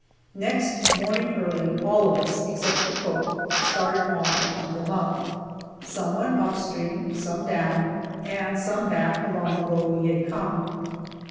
Next morning early, all of us, except the cook, started off to hunt them up. Some went up stream, some down, and some back along the road we had come.